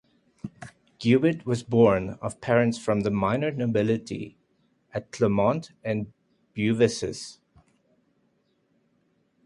Guibert was born of parents from the minor nobility at Clermont-en-Beauvaisis.